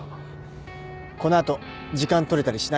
この後時間取れたりしないよね？